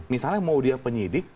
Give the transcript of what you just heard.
misalnya mau dia penyidik